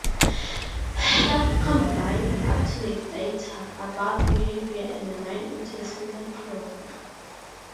Hebb combined up-to-date data about behavior and the mind into a single theory.